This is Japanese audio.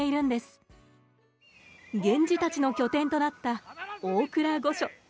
源氏たちの拠点となった大倉御所。